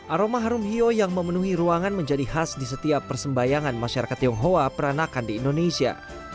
aroma harum hio yang memenuhi ruangan menjadi khas di setiap persembayangan masyarakat tionghoa peranakan di indonesia